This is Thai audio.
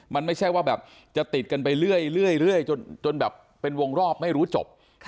มันไม่ใช่ว่าแบบจะติดกันไปเรื่อยจนแบบเป็นวงรอบไม่รู้จบ